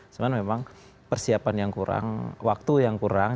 sebenarnya memang persiapan yang kurang waktu yang kurang